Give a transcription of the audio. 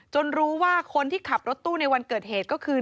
รู้ว่าคนที่ขับรถตู้ในวันเกิดเหตุก็คือ